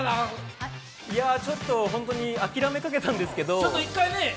ちょっと諦めかけたんですけど。